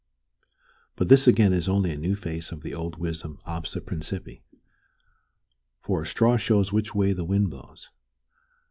But this again is only a new face of the old wisdom obsta principiis. For a straw shows which way the wind blows.